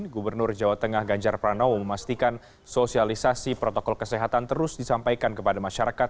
gubernur jawa tengah ganjar pranowo memastikan sosialisasi protokol kesehatan terus disampaikan kepada masyarakat